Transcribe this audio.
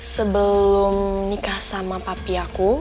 sebelum nikah sama papi aku